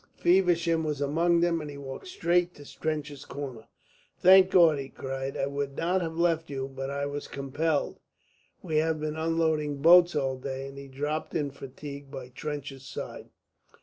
Feversham was among them, and he walked straight to Trench's corner. "Thank God!" he cried. "I would not have left you, but I was compelled. We have been unloading boats all day." And he dropped in fatigue by Trench's side.